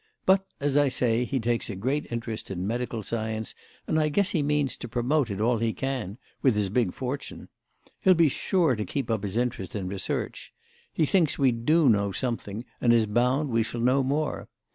But, as I say, he takes a great interest in medical science and I guess he means to promote it all he can—with his big fortune. He'll be sure to keep up his interest in research. He thinks we do know something and is bound we shall know more.